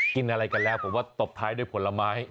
กินอะไรกันแล้วผมว่าตบท้ายด้วยผลไม้